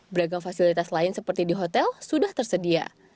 beragam fasilitas lain seperti di hotel sudah tersedia